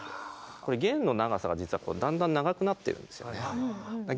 弦の長さが実はだんだん長くなってるんですよね。